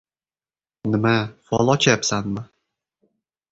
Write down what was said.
— Nima, fol ochyapsizmi?